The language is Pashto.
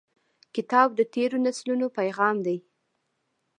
کتاب د تیرو نسلونو پیغام دی.